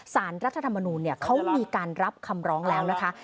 สารรัฐธรรมนูลเขามีการรับคำร้องแล้วนะคะ